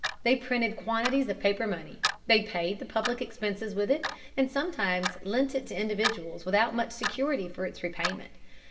They printed quantities of paper money. They paid the public expenses with it, and sometimes lent it to individuals without much security for its repayment.